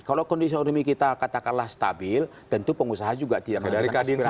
kalau kondisi ekonomi kita katakanlah stabil tentu pengusaha juga tidak akan mengajukan aspirasi gitu